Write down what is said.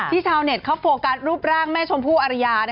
ชาวเน็ตเขาโฟกัสรูปร่างแม่ชมพู่อารยา